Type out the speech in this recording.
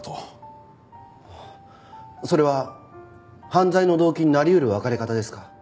それは犯罪の動機になり得る別れ方ですか？